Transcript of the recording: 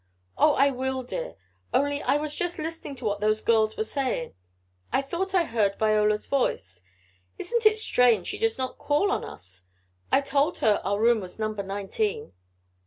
"Oh, I will, dear, only I was just listening to what those girls were saying. I thought I heard Viola's voice. Isn't it strange she does not call on us. I told her our room was Number Nineteen."